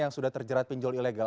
yang sudah terjerat pinjol ilegal